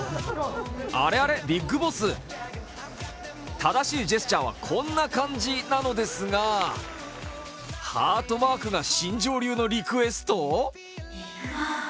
正しいジェスチャーはこんな感じなのですがハートマークが新庄流のリクエスト？